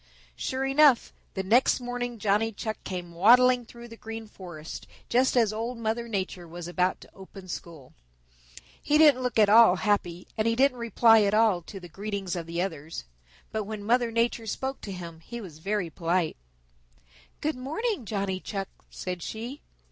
Sure enough, the next morning Johnny Chuck came waddling through the Green Forest just as Old Mother Nature was about to open school. He didn't look at all happy, and he didn't reply at all to the greetings of the others. But when Old Mother Nature spoke to him he was very polite. "Good morning, Johnny Chuck," said she.